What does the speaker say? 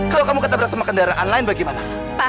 kalau kamu kata berasama kendaraan lain bagaimana